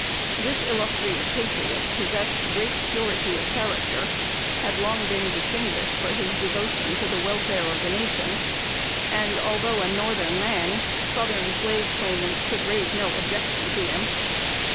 This illustrious patriot possessed great purity of character; had long been distinguished for his devotion to the welfare of the nation; and, although a Northern man, Southern slave claimants could raise no objection to him.